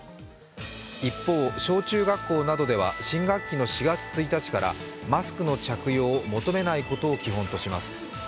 一方、小中学校などでは新学期の４月１日からマスクの着用を求めないことを基本とします。